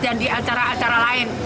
dan di acara acara lain